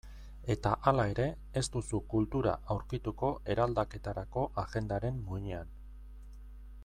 Eta hala ere, ez duzu kultura aurkituko eraldaketarako agendaren muinean.